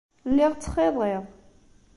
Lliɣ ttxiḍiɣ.